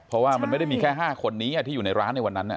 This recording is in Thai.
เพราะว่ามันไม่ได้มีแค่๕คนนี้ที่อยู่ในร้านในวันนั้น